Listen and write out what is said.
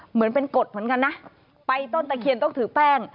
เหมือนเป็นกฎเหมือนกันนะไปต้นตะเคียนต้องถือแป้ง